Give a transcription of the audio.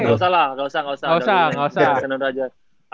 gak usah gak usah